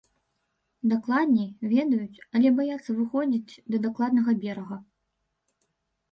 Дакладней, ведаюць, але баяцца выходзіць да дакладнага берага.